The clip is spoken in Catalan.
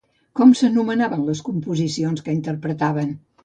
Com s'anomenaven les composicions que interpretaven?